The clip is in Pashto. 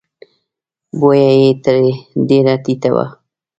بویه یې ډېره ټیټه وه.